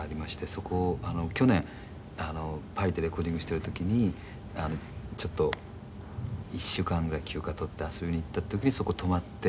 そこ、去年パリでレコーディングしてる時にちょっと１週間ぐらい休暇取って遊びに行った時にそこに泊まって。